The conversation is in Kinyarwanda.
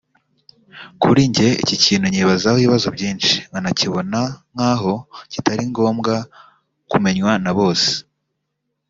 Kuri njye iki kintu nkibazaho ibibazo byinshi nkanakibona nkaho kitari ngommbwa kumenywa na bose